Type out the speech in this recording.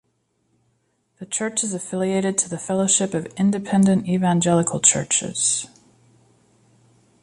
The church is affiliated to the Fellowship of Independent Evangelical Churches.